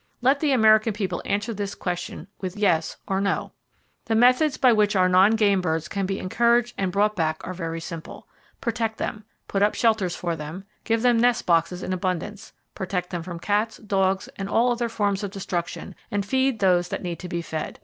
Let the American people answer this question with "Yes" or "No." The methods by which our non game birds can be encouraged and brought back are very simple: Protect them, put up shelters for them, give them nest boxes in abundance, protect them from cats, dogs, and all other forms of destruction, and feed those that need to be fed.